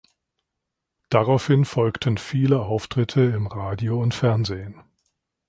Daraufhin folgten viele Auftritte im Radio und Fernsehen.